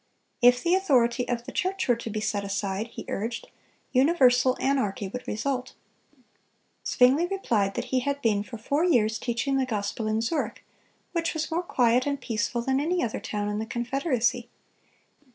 If the authority of the church were to be set aside, he urged, universal anarchy would result. Zwingle replied that he had been for four years teaching the gospel in Zurich, "which was more quiet and peaceful than any other town in the confederacy."